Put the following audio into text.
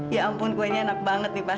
ya ampun kuenya enak banget nih pas